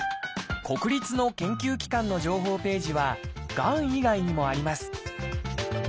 国立の研究機関の情報ページはがん以外にもあります。